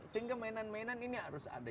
sehingga mainan mainan ini harus ada